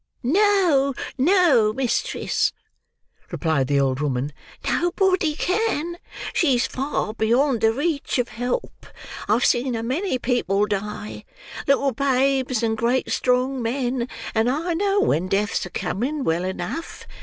"No, no, mistress," replied the old woman, "nobody can; she's far beyond the reach of help. I've seen a many people die; little babes and great strong men; and I know when death's a coming, well enough.